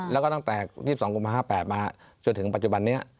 แล้วก็ตั้งแต่๒๒๕๘มาจนถึงปัจจุบันเนี่ย